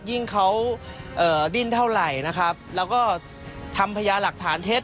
ยิ่งเขาดิ้นเท่าไหร่นะครับแล้วก็ทำพญาหลักฐานเท็จ